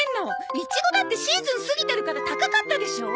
イチゴだってシーズン過ぎてるから高かったでしょう！？